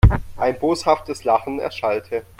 Ein boshaftes Lachen erschallte.